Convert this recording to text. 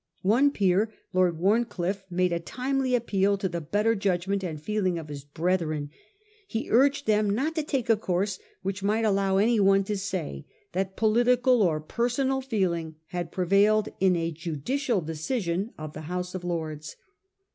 One peer, Lord Whamcliffe, made a timely appeal to the better judg ment and feeling of his brethren. He urged them not to take a course which might allow anyone to say that political or personal feeling had prevailed in a judicial decision of the House of Lords.